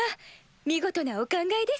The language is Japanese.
見事なお考えです。